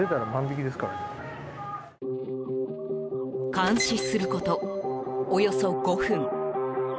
監視することおよそ５分。